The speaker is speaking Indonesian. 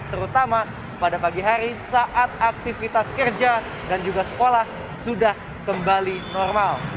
terutama pada pagi hari saat aktivitas kerja dan juga sekolah sudah kembali normal